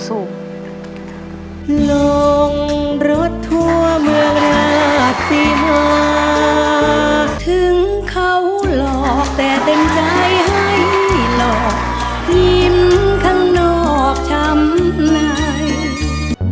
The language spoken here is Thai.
ถึงเขาหลอกแต่เต็มใจให้หลอกยิ้มข้างนอกช้ำหน่าย